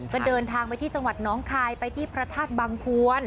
ก็เดินทางไปที่จังหวัดน้องคายไปที่พระธาตุบังพวน